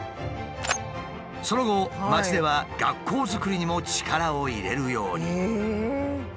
その後町では学校づくりにも力を入れるように。